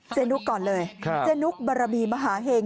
เจ๊นุกก่อนเลยครับเจ๊นุกบรบีมหาเหง